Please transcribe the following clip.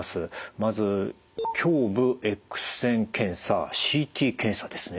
まず胸部エックス線検査ＣＴ検査ですね。